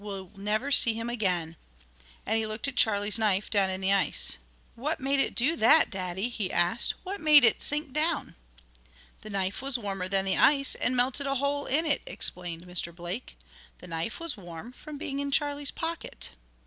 "Well never see him again," and he looked at Charlie's knife down in the ice. "What made it do that, Daddy?" he asked. "What made it sink down?" "The knife was warmer than the ice, and melted a hole in it," explained Mr. Blake. "The knife was warm from being in Charlie's pocket.